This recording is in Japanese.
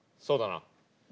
そうだな。